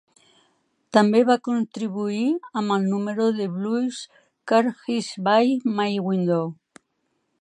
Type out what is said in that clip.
També va contribuir amb el número de blues "Cars Hiss By My Window".